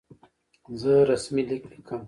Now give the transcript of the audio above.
زه رسمي لیک لیکم.